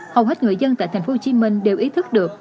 hầu hết người dân tại tp hcm đều ý thức được